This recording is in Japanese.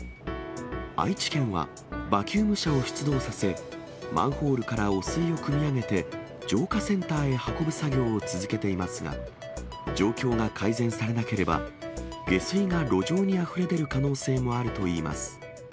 愛知県は、バキューム車を出動させ、マンホールから汚水をくみ上げて、浄化センターへ運ぶ作業を続けていますが、状況が改善されなければ、下水が路上にあふれ出る可能性もあるといいます。